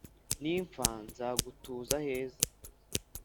Nimpfa nzagutuza aheza